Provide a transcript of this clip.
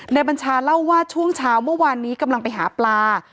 บัญชาเล่าว่าช่วงเช้าเมื่อวานนี้กำลังไปหาปลา